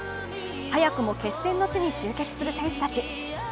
早くも決戦の地に集結する選手たち。